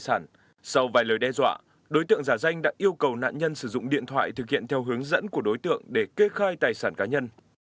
tài sản sau vài lời đe dọa đối tượng giả danh đã yêu cầu nạn nhân sử dụng điện thoại thực hiện theo hướng dẫn của đối tượng để kê khai tài sản cá nhân